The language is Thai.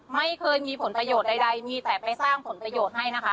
ไม่เคยมีผลประโยชน์ใดมีแต่ไปสร้างผลประโยชน์ให้นะคะ